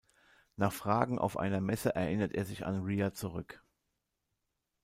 Nach Fragen auf einer Messe erinnert er sich an Rhea zurück.